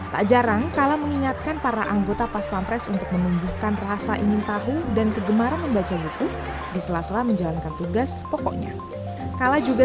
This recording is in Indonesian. tak jarang kalla mengingatkan para anggota pas pampres untuk menembuhkan rasa ingin tahu dan kegemaran membaca buku dan selesai selesai menjalankan tugas pokoknya